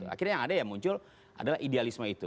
akhirnya yang ada ya muncul adalah idealisme itu